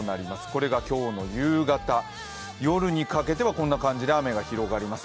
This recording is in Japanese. これが今日の夕方、夜にかけてはこんな感じで雨が広がります。